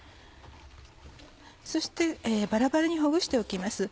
そしてバラバラにほぐしておきます。